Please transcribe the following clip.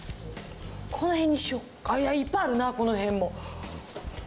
この辺にしようかいやいっぱいあるなこの辺も。